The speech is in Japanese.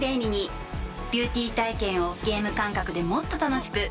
ビューティー体験をゲーム感覚でもっと楽しく。